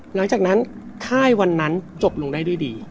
หลังจากนั้นค่ายวันนั้นจบลงได้ด้วยดี